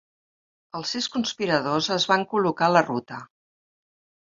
Els sis conspiradors es van col·locar a la ruta.